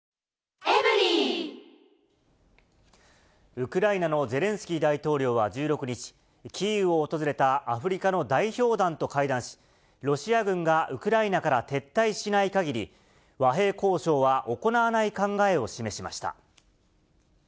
ウクライナのゼレンスキー大統領は１６日、キーウを訪れたアフリカの代表団と会談し、ロシア軍がウクライナから撤退しないかぎり、和平交渉は行わない考えを示しました。